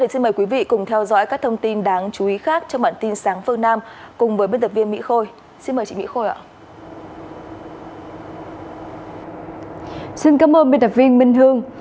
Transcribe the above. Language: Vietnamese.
xin cảm ơn minh tập viên minh hương